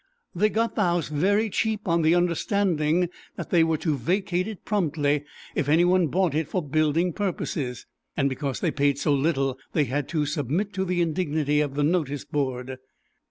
They got the house very cheap on the understanding that they were to vacate it promptly if anyone bought it for building purposes, and because they paid so little they had to submit to the indignity of the notice board.